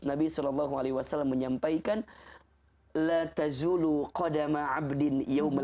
nabi s a w menyampaikan